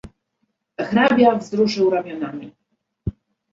"Hrabia wzruszył ramionami."